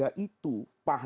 saya membahagiakan keluarga itu